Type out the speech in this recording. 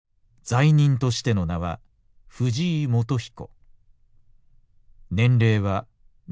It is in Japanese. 罪人としての名は藤井善信。